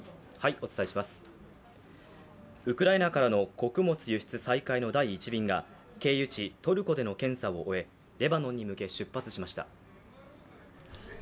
ウクライナからの穀物輸出再開の第１便が経由地トルコでの検査を終え、レバノンに向け出発しました。